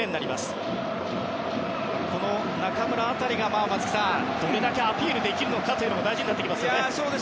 松木さん、この中村辺りがどれだけアピールできるかも大事になってきますよね。